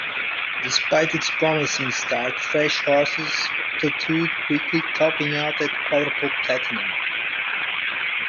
Despite its promising start, Fresh Horses plateaued quickly, topping out at quadruple platinum.